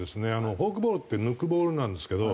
フォークボールって抜くボールなんですけど。